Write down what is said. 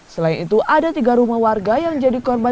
selain itu ada tiga rumah warga yang jadi korban